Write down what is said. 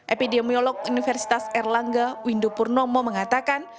epidemiolog universitas erlangga windupurnomo mengatakan